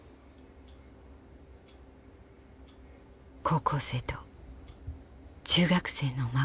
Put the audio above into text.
高校生と中学生の孫。